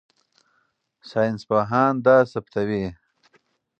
ساینسپوهان دا ثبتوي.